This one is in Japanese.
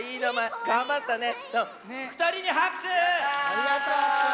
ありがとう！